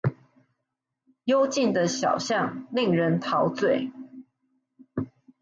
幽靜的小巷令人陶醉